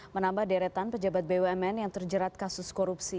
menambah deretan pejabat bumn yang terjerat kasus korupsi